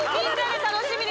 お楽しみに！